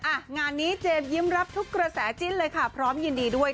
อ่ะงานนี้เจมส์ยิ้มรับทุกกระแสจิ้นเลยค่ะพร้อมยินดีด้วย